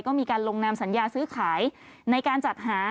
ก็มีการลงนามสัญญาซื้อขายในการจัดหา